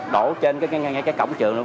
đổ trên cái cổng trường